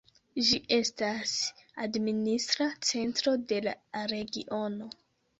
Ĝi estas administra centro de la regiono.